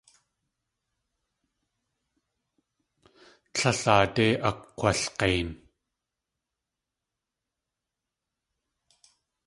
Tlél aadé akg̲walg̲ein.